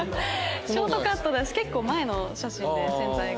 ショートカットだし結構前の写真で宣材が。